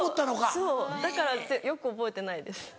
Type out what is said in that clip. そうだからよく覚えてないです。